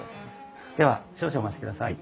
では少々お待ちください。